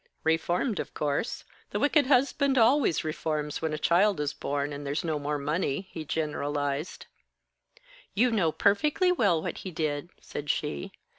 "Reformed, of course. The wicked husband always reforms when a child is born, and there's no more money," he generalized. "You know perfectly well what he did," said she.